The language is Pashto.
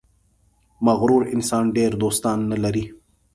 • مغرور انسان ډېر دوستان نه لري.